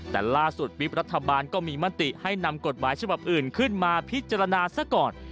แต่ล่าสุดวิบรัฐบาลก็มีมติให้นำกฎหมายฉบับอื่นขึ้นมาพิจารณาซะก่อน